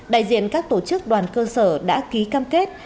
đại diện các tổ chức đoàn cơ sở đã ký cam kết